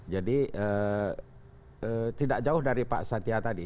jadi tidak jauh dari pak satya tadi